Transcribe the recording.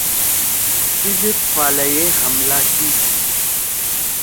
تی زید فالج ئے حملہ کی۔